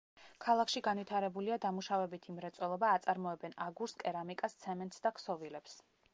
ქალაქში განვითარებულია დამუშავებითი მრეწველობა, აწარმოებენ აგურს, კერამიკას, ცემენტს და ქსოვილებს.